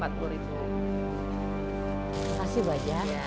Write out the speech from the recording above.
terima kasih bu aja